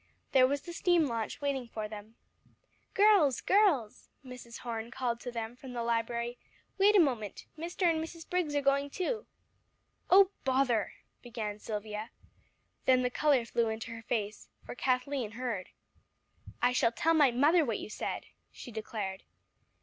There was the steam launch waiting for them. "Girls girls!" Mrs. Horne called to them from the library, "wait a moment. Mr. and Mrs. Briggs are going too." "Oh bother!" began Silvia. Then the color flew into her face, for Kathleen heard. "I shall tell my mother what you said," she declared.